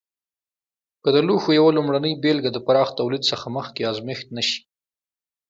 که د لوښو یوه لومړنۍ بېلګه د پراخ تولید څخه مخکې ازمېښت نه شي.